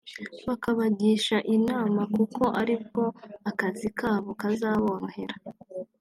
bakabagisha inama kuko ari bwo akazi kabo kazaborohera